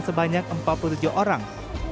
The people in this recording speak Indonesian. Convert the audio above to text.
sebanyak empat puluh tujuh orang